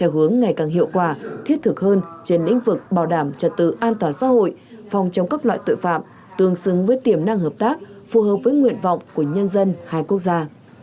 hướng ngày càng hiệu quả thiết thực hơn trên lĩnh vực bảo đảm trật tự an toàn xã hội phòng chống các loại tội phạm tương xứng với tiềm năng hợp tác phù hợp với nguyện vọng của nhân dân hai quốc gia